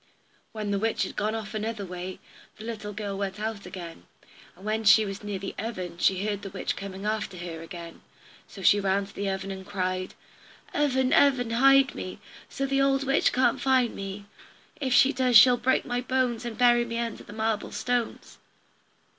When the witch had gone off another way, the little girl went on again, and when she was near the oven she heard the witch coming after her again, so she ran to the oven and cried: "Oven, oven, hide me, So the old witch can't find me; If she does she'll break my bones, And bury me under the marble stones."